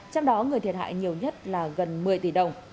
trong đó người thiệt hại nhiều nhất là gần một mươi tỷ đồng